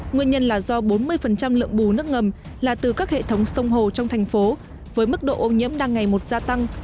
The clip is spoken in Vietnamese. nguyên nhân là do bốn mươi lượng bù nước ngầm là từ các hệ thống sông hồ trong thành phố với mức độ ô nhiễm đang ngày một gia tăng